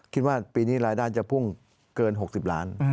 คิดว่าปีนี้รายได้จะพุ่งเกิน๖๐ล้าน